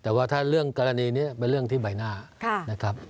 แต่ว่าถ้าเรื่องกรณีนี้เป็นเรื่องที่ใบหน้านะครับ